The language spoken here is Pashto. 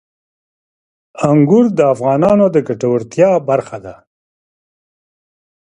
انګور د افغانانو د ګټورتیا برخه ده.